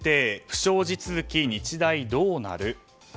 不祥事続き、日大どうなる？